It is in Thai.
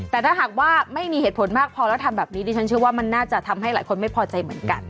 แต่ถ้าหากว่าไม่มีเหตุผลมากพอแล้วทำแบบนี้ดิฉันเชื่อว่ามันน่าจะทำให้หลายคนไม่พอใจเหมือนกัน